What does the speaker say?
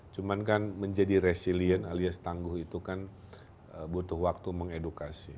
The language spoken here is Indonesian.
cuman kan menjadi resilient alias tangguh itu kan butuh waktu mengedukasi